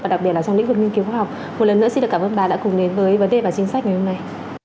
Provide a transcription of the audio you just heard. và đặc biệt là trong lĩnh vực nghiên cứu khoa học một lần nữa xin được cảm ơn bà đã cùng đến với vấn đề và chính sách ngày hôm nay